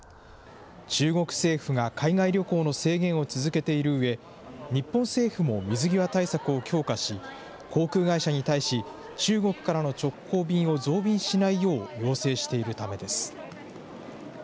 中国政府が海外旅行の制限を続けているうえ、日本政府も水際対策を強化し、航空会社に対し、中国からの直行便を増便しないよう要請しているためです。